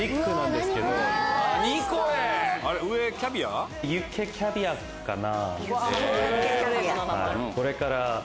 上キャビア？かな？